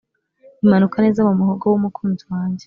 imanuka neza mu muhogo w umukunzi wanjye